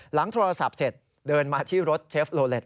หลังโทรศัพท์เสร็จเดินมาที่รถเชฟโลเล็ต